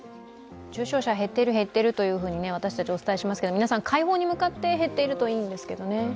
重症者は減っていると私たちはお伝えしますけど、皆さん快方に向かって減っているといいんですけどね。